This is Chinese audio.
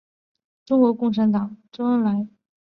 中国共产党派周恩来率团参加十月革命庆祝活动。